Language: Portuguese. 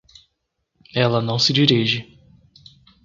Ela não se dirige.